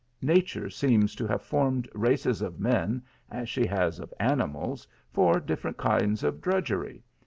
/Nature seems to have formed races of men as she 1 has of animals for different kinds of drudgery.